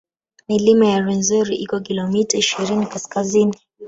Milima ya Rwenzori iko kilomita ishirini kaskazini